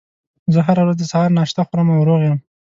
زه هره ورځ د سهار ناشته خورم او روغ یم